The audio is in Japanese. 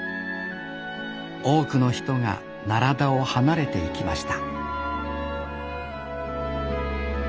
多くの人が奈良田を離れていきました